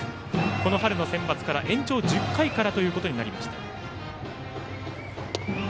この春のセンバツから延長１０回からとなりました。